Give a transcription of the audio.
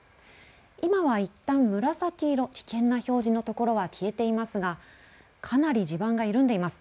今はいったん紫色、危険な表示の所は消えていますがかなり地盤が緩んでいます。